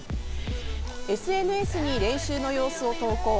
ＳＮＳに練習の様子を投稿。